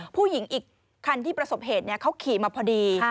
ผู้หญิงอีกคันที่ประสบเหตุเขาขี่มาพอดี